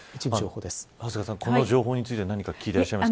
長谷川さん、この情報について何か聞いたりしてますか。